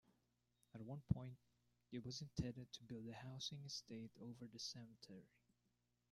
At one point it was intended to build a housing estate over the cemetery.